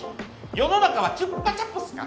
世の中はチュッパチャプスか？